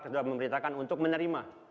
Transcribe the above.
kita sudah memerintahkan untuk menerima